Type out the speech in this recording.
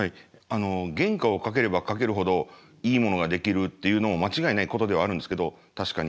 原価をかければかけるほどいいものが出来るっていうのも間違いないことではあるんですけど確かに。